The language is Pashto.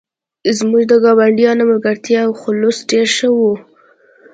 زموږ د ګاونډیانو ملګرتیا او خلوص ډیر ښه و